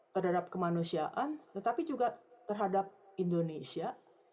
terhadap kemanusiaan tetapi juga terhadap indonesia